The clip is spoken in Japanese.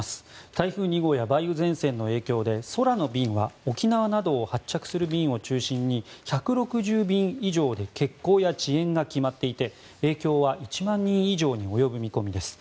台風２号や梅雨前線の影響で空の便は沖縄などを発着する便を中心に１６０便以上で欠航や遅延が決まっていて影響は１万人以上に及ぶ見込みです。